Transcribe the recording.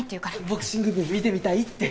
ボクシング部見てみたいって。